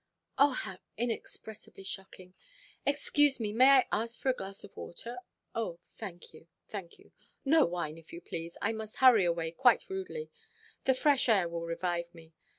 "Oh, how inexpressibly shocking! Excuse me, may I ask for a glass of water? Oh, thank you, thank you. No wine, if you please. I must hurry away quite rudely. The fresh air will revive me.